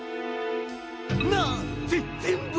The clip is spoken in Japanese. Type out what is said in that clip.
なっ！？ぜぜんぶ！？